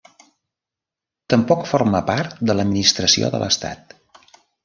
Tampoc forma part de l'Administració de l'Estat.